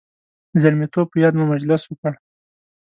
د زلمیتوب په یاد مو مجلس وکړ.